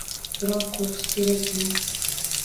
Biroq qo‘rqish kerak emas.